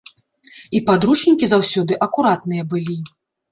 І падручнікі заўсёды акуратныя былі.